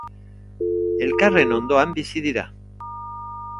Elkarren ondoan bizi dira.